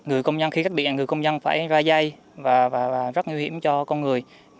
người công nhân khi khách điện người công nhân phải ra dây và rất nguy hiểm cho con người